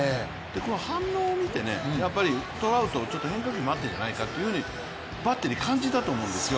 この反応を見て、やっぱりトラウト、ちょっと変化球を待ってるんじゃないかというふうにバッテリー感じたと思うんですよ。